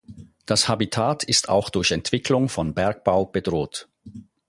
Das Habitat ist auch durch Entwicklung von Bergbau bedroht.